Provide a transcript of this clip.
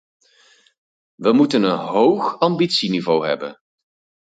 We moeten een hoog ambitieniveau hebben.